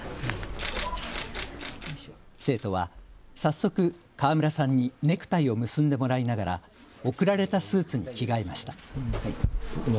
生徒は早速、河村さんにネクタイを結んでもらいながら贈られたスーツに着替えました。